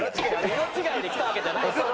色違いで来たわけじゃないですよ。